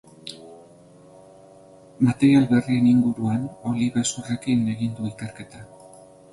Material berrien inguruan oliba hezurrekin egin du ikerketa.